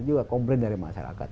juga komplain dari masyarakat